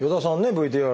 ＶＴＲ